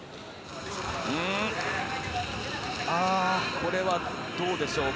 これはどうでしょうか。